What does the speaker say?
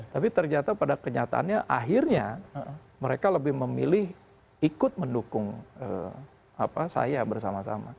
tapi ternyata pada kenyataannya akhirnya mereka lebih memilih ikut mendukung saya bersama sama